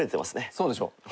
そうでしょ？